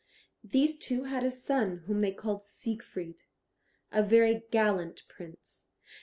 These two had a son whom they called Siegfried, a very gallant prince.